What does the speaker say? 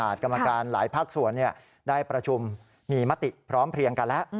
กรรมการหลายภาคส่วนได้ประชุมมีมติพร้อมเพลียงกันแล้ว